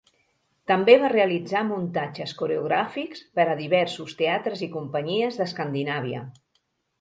També va realitzar muntatges coreogràfics per a diversos teatres i companyies d'Escandinàvia.